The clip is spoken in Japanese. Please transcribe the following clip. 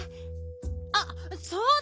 あっそうだ！